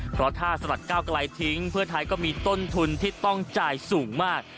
เพราะถ้าสลัดก้าวไกลทิ้งเพื่อไทยก็มีต้นทุนที่ต้องจ่ายสูงมาก